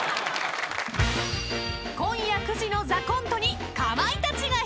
［今夜９時の『ＴＨＥＣＯＮＴＥ』にかまいたちが出演］